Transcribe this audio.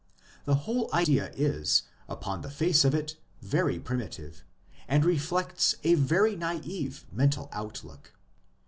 This whole idea is, upon the face of it, very primitive, and reflects a very naive mental outlook.